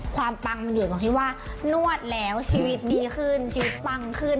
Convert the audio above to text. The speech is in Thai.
ปังมันอยู่ตรงที่ว่านวดแล้วชีวิตดีขึ้นชีวิตปังขึ้น